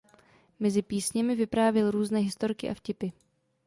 Mezi písněmi vyprávěl různé historky a vtipy.